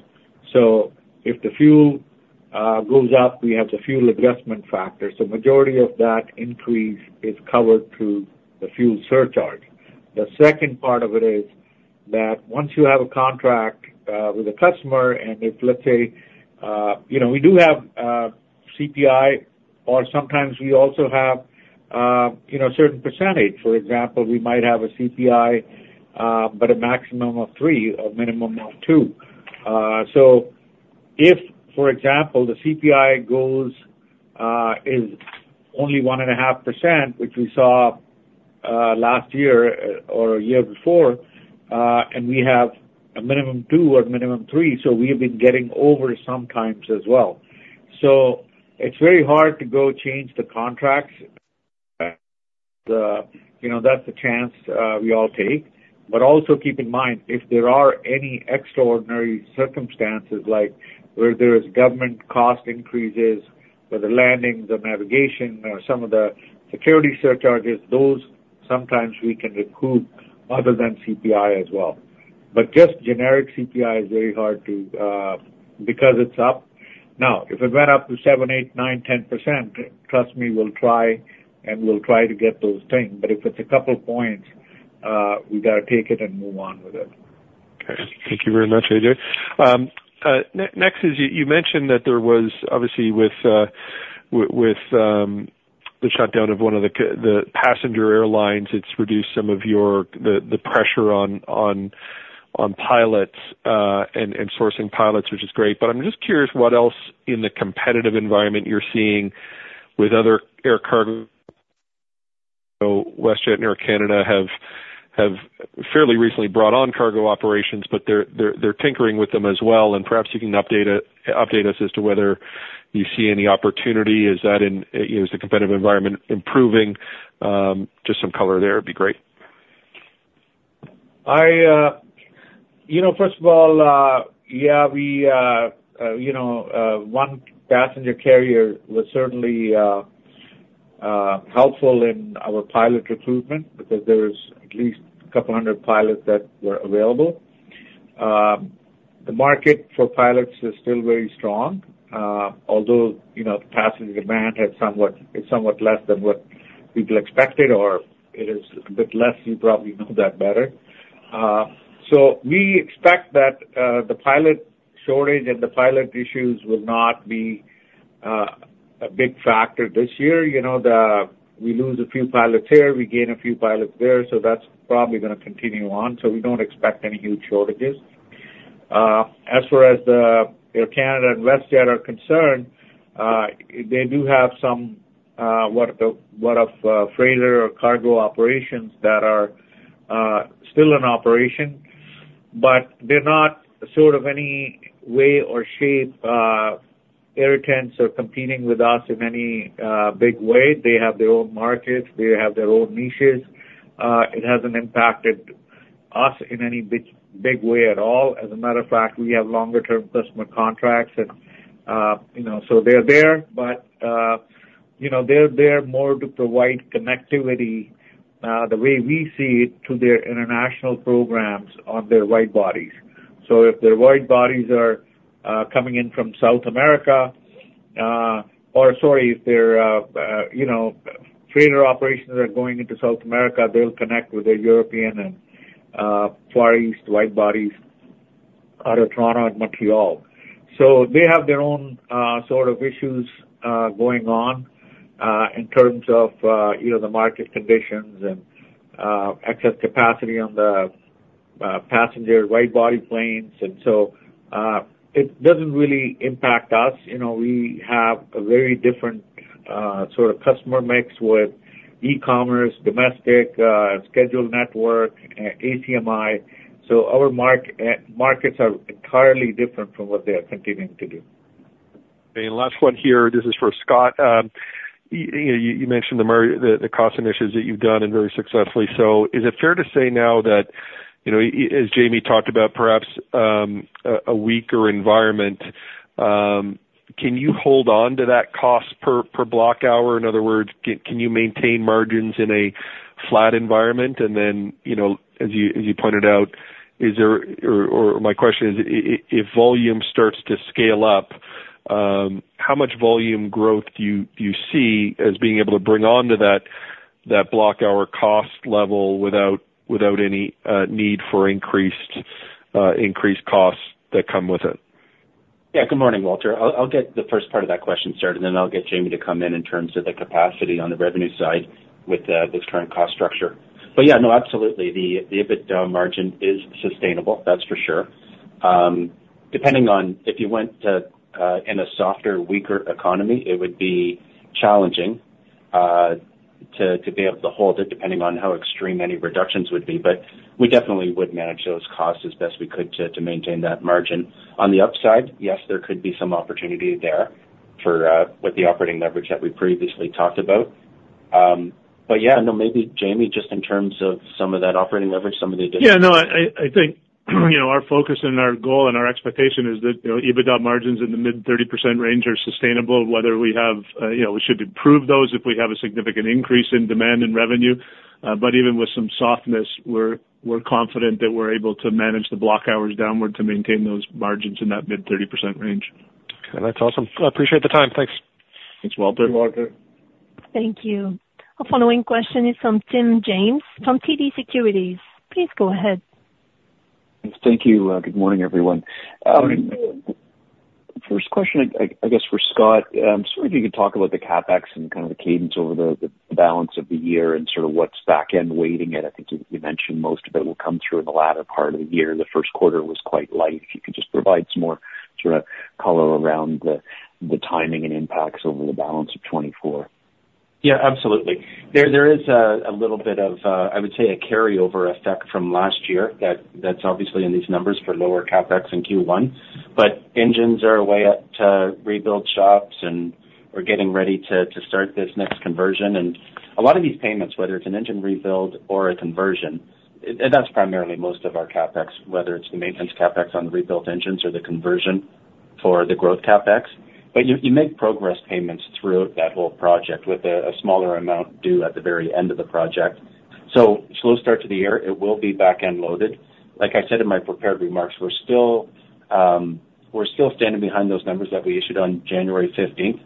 So if the fuel goes up, we have the fuel adjustment factor, so majority of that increase is covered through the fuel surcharge. The second part of it is that once you have a contract with a customer, and if, let's say, you know, we do have CPI, or sometimes we also have you know, a certain percentage. For example, we might have a CPI, but a maximum of three, a minimum of two. So if, for example, the CPI is only 1.5%, which we saw last year or a year before, and we have a minimum two or minimum three, so we have been getting over sometimes as well. So it's very hard to go change the contracts. You know, that's a chance we all take. But also keep in mind, if there are any extraordinary circumstances, like where there is government cost increases for the landings, the navigation, or some of the security surcharges, those sometimes we can recoup other than CPI as well. But just generic CPI is very hard to, because it's up. Now, if it went up to 7%, 8%, 9%, 10%, trust me, we'll try and we'll try to get those things, but if it's a couple points, we gotta take it and move on with it. Okay. Thank you very much, Ajay. Next, you mentioned that there was obviously with the shutdown of one of the passenger airlines, it's reduced some of your the pressure on pilots and sourcing pilots, which is great. But I'm just curious what else in the competitive environment you're seeing with other air cargo. So WestJet and Air Canada have fairly recently brought on cargo operations, but they're tinkering with them as well, and perhaps you can update us as to whether you see any opportunity. Is that, you know, is the competitive environment improving? Just some color there would be great. I, you know, first of all, yeah, we, you know, one passenger carrier was certainly helpful in our pilot recruitment because there was at least 200 pilots that were available. The market for pilots is still very strong, although, you know, the passenger demand has somewhat, it's somewhat less than what people expected, or it is a bit less. You probably know that better. So we expect that, the pilot shortage and the pilot issues will not be, a big factor this year. You know, the, we lose a few pilots here, we gain a few pilots there, so that's probably gonna continue on, so we don't expect any huge shortages. As far as the Air Canada and WestJet are concerned, they do have some freighter or cargo operations that are still in operation, but they're not sort of any way or shape irritants or competing with us in any big way. They have their own markets. They have their own niches. It hasn't impacted us in any big way at all. As a matter of fact, we have longer term customer contracts and, you know, so they're there, but, you know, they're there more to provide connectivity, the way we see it, to their international programs on their wide bodies. So if their wide bodies are coming in from South America. Or sorry, if their, you know, freighter operations are going into South America, they'll connect with their European and, Far East wide-bodies out of Toronto and Montreal. So they have their own, sort of issues, going on, in terms of, you know, the market conditions and, excess capacity on the, passenger wide-body planes. And so, it doesn't really impact us. You know, we have a very different, sort of customer mix with e-commerce, domestic, scheduled network, ACMI. So our markets are entirely different from what they are continuing to do. Last one here. This is for Scott. You mentioned the cost initiatives that you've done and very successfully. So is it fair to say now that, you know, as Jamie talked about perhaps a weaker environment, can you hold on to that cost per block hour? In other words, can you maintain margins in a flat environment? And then, you know, as you pointed out, or my question is, if volume starts to scale up, how much volume growth do you see as being able to bring on to that block hour cost level without any need for increased costs that come with it? Yeah. Good morning, Walter. I'll, I'll get the first part of that question started, and then I'll get Jamie to come in, in terms of the capacity on the revenue side with this current cost structure. But yeah, no, absolutely, the EBITDA margin is sustainable, that's for sure. Depending on if you went to in a softer, weaker economy, it would be challenging to be able to hold it, depending on how extreme any reductions would be. But we definitely would manage those costs as best we could to maintain that margin. On the upside, yes, there could be some opportunity there for with the operating leverage that we previously talked about. But yeah, no, maybe Jamie, just in terms of some of that operating leverage, some of the differences- Yeah, no, I think, you know, our focus and our goal and our expectation is that, you know, EBITDA margins in the mid-30% range are sustainable, whether we have, you know, we should improve those if we have a significant increase in demand and revenue. But even with some softness, we're confident that we're able to manage the block hours downward to maintain those margins in that mid-30% range. Okay, that's awesome. I appreciate the time. Thanks. Thanks, Walter. Thanks, Walter. Thank you. Our following question is from Tim James, from TD Securities. Please go ahead. Thank you. Good morning, everyone. Good morning. First question, I guess, for Scott. Just wonder if you could talk about the CapEx and kind of the cadence over the balance of the year and sort of what's back end weighting. And I think you mentioned most of it will come through in the latter part of the year. The first quarter was quite light. If you could just provide some more sort of color around the timing and impacts over the balance of 2024. Yeah, absolutely. There is a little bit of, I would say, a carryover effect from last year that's obviously in these numbers for lower CapEx in Q1. But engines are away at rebuild shops, and we're getting ready to start this next conversion. And a lot of these payments, whether it's an engine rebuild or a conversion, and that's primarily most of our CapEx, whether it's the maintenance CapEx on the rebuilt engines or the conversion for the growth CapEx. But you make progress payments throughout that whole project with a smaller amount due at the very end of the project. So slow start to the year, it will be back end loaded. Like I said in my prepared remarks, we're still standing behind those numbers that we issued on January fifteenth.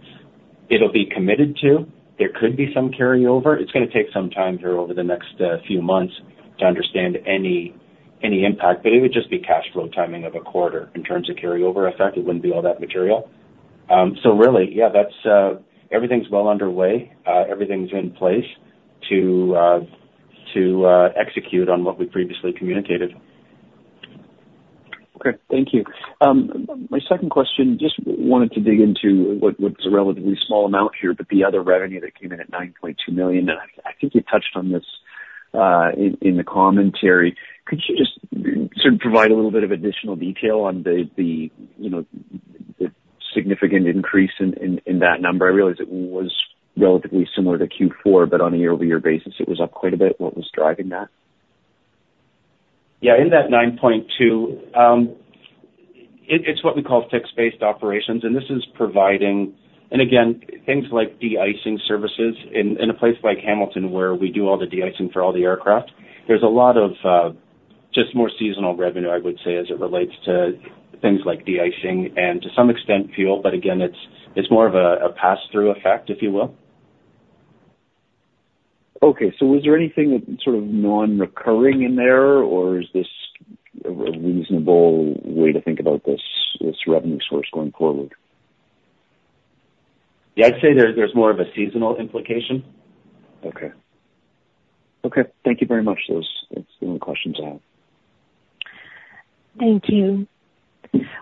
It'll be committed to. There could be some carryover. It's gonna take some time here over the next few months to understand any impact, but it would just be cash flow timing of a quarter. In terms of carryover effect, it wouldn't be all that material. So really, yeah, that's everything's well underway. Everything's in place to execute on what we previously communicated. Okay, thank you. My second question, just wanted to dig into what's a relatively small amount here, but the other revenue that came in at 9.2 million, and I think you touched on this in the commentary. Could you just sort of provide a little bit of additional detail on the you know the significant increase in that number? I realize it was relatively similar to Q4, but on a year-over-year basis, it was up quite a bit. What was driving that? Yeah, in that 9.2, it's what we call fixed-base operations, and this is providing... And again, things like de-icing services in a place like Hamilton, where we do all the de-icing for all the aircraft, there's a lot of just more seasonal revenue, I would say, as it relates to things like de-icing and to some extent, fuel. But again, it's more of a pass-through effect, if you will. Okay, so was there anything sort of non-recurring in there, or is this a reasonable way to think about this, this revenue source going forward? Yeah, I'd say there's more of a seasonal implication. Okay. Okay, thank you very much. Those are the only questions I have. Thank you.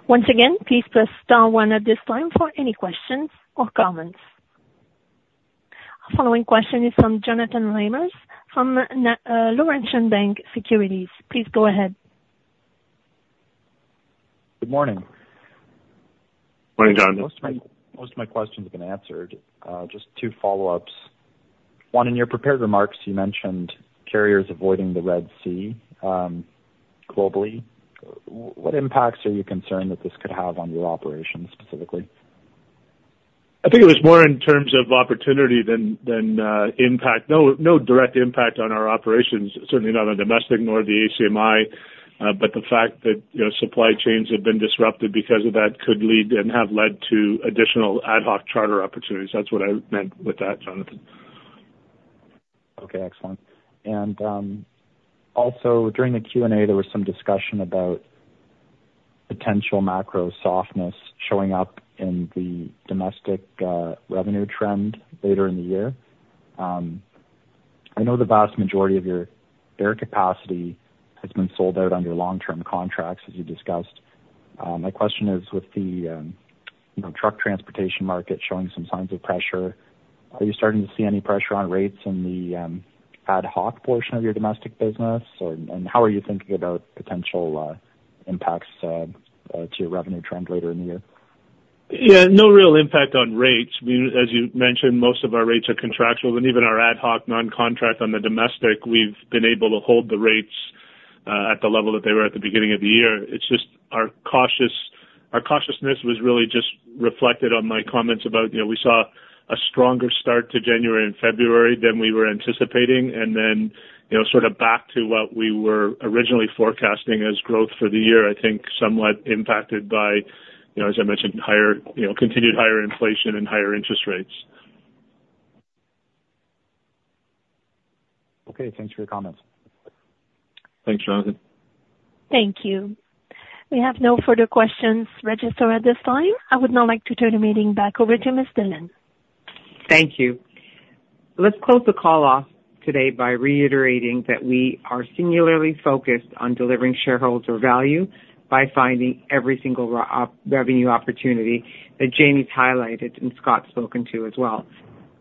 Once again, please press star one at this time for any questions or comments. Our following question is from Jonathan Ramer from Laurentian Bank Securities. Please go ahead. Good morning. Morning, Jonathan. Most of my questions have been answered. Just two follow-ups. One, in your prepared remarks, you mentioned carriers avoiding the Red Sea, globally. What impacts are you concerned that this could have on your operations specifically? I think it was more in terms of opportunity than impact. No, no direct impact on our operations, certainly not on domestic nor the ACMI but the fact that, you know, supply chains have been disrupted because of that could lead and have led to additional ad hoc charter opportunities. That's what I meant with that, Jonathan. Okay, excellent. And also, during the Q&A, there was some discussion about potential macro softness showing up in the domestic revenue trend later in the year. I know the vast majority of your air capacity has been sold out under long-term contracts, as you discussed. My question is, with the, you know, truck transportation market showing some signs of pressure, are you starting to see any pressure on rates in the ad hoc portion of your domestic business? Or how are you thinking about potential impacts to your revenue trend later in the year? Yeah, no real impact on rates. We, as you mentioned, most of our rates are contractual, and even our ad hoc non-contract on the domestic, we've been able to hold the rates at the level that they were at the beginning of the year. It's just our cautiousness was really just reflected on my comments about, you know, we saw a stronger start to January and February than we were anticipating, and then, you know, sort of back to what we were originally forecasting as growth for the year. I think, somewhat impacted by, you know, as I mentioned, higher, you know, continued higher inflation and higher interest rates. Okay, thanks for your comments. Thanks, Jonathan. Thank you. We have no further questions registered at this time. I would now like to turn the meeting back over to Ms. Dhillon. Thank you. Let's close the call off today by reiterating that we are singularly focused on delivering shareholder value by finding every single revenue opportunity that Jamie's highlighted and Scott's spoken to as well.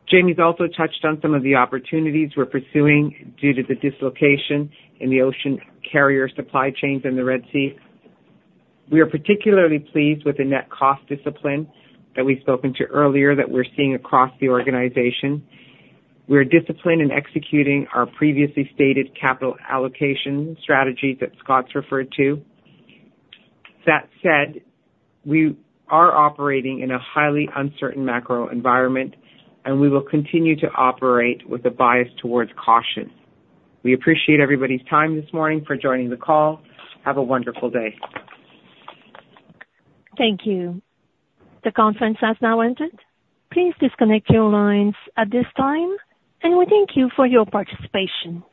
Jamie's also touched on some of the opportunities we're pursuing due to the dislocation in the ocean carrier supply chains in the Red Sea. We are particularly pleased with the net cost discipline that we've spoken to earlier, that we're seeing across the organization. We are disciplined in executing our previously stated capital allocation strategy that Scott's referred to. That said, we are operating in a highly uncertain macro environment, and we will continue to operate with a bias towards caution. We appreciate everybody's time this morning for joining the call. Have a wonderful day. Thank you. The conference has now ended. Please disconnect your lines at this time, and we thank you for your participation.